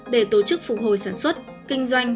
để tổ chức phục hồi sản xuất kinh doanh